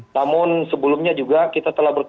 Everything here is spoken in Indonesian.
namun sebelumnya juga kita telah berkomi